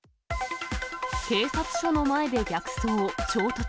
警察署の前で逆走、衝突。